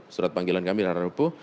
surat panggilan kami hari rabu